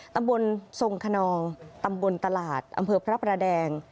ตำบลทรงขนองตำบลตลาดอำเภอพระประแดง